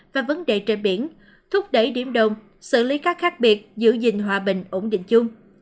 và vấn đề trên biển thúc đẩy điểm đồng xử lý các khác biệt giữ gìn hòa bình ổn định chung